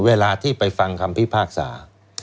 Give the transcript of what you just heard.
เวลาที่ไปฟังคำพิพากษา